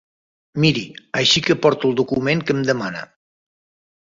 Miri, així que porto el document que em demana.